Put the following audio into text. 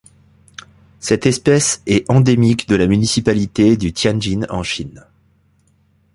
Cette espèce est endémique de la municipalité de Tianjin en Chine.